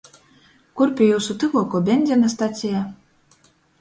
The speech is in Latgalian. Kur pi jiusu tyvuokuo beņzina staceja?